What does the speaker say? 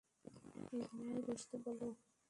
ঘোড়ায় বসতে বলো।